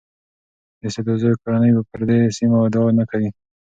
د سدوزو کورنۍ به پر دې سیمو ادعا نه کوي.